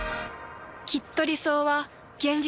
きっと理想は現実になる。